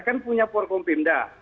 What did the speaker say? kan punya porkom pimda